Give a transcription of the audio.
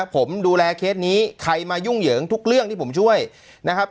ผมดูแลเคสนี้ใครมายุ่งเหยิงทุกเรื่องที่ผมช่วยนะครับ